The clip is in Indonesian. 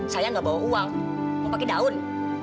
saya gak bawa uang mau pake daun